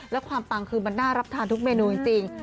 และความปังคือมันน่ารับทานทุกเมนูจริง